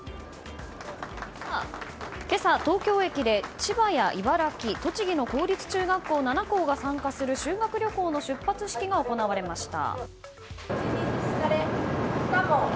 今朝、東京駅で千葉や茨城、栃木の公立中学校７校が参加する修学旅行の出発式が行われました。